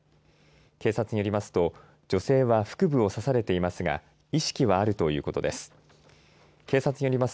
警察によりますと、女性は腹部を刺されていますが、意識はあるということです。